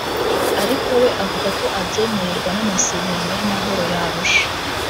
ariko we avuga ko abyemererwa n’amasezerano y’amahoro ya Arusha